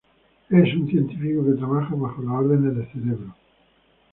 Es un científico que trabaja bajo las órdenes de Cerebro.